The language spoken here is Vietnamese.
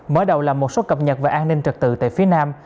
mở đầu là một số cập nhật về an ninh trật tự tại phía nam